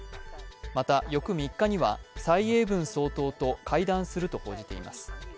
また、翌３日には蔡英文総統と会談すると報じています。